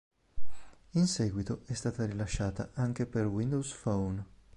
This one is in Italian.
In seguito è stata rilasciata anche per Windows Phone.